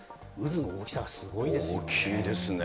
渦の大きさがすごいですよね。